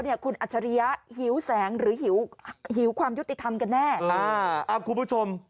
มีคนหิวแสงอะเหรอ